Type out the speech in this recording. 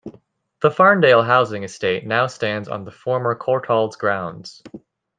The Farndale housing estate now stands on the former Courtaulds grounds.